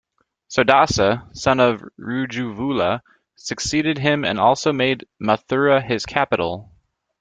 Sodasa, son of Rajuvula, succeeded him and also made Mathura his capital.